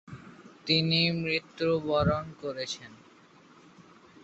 তিনি মৃত্যুবরণ করেছেন।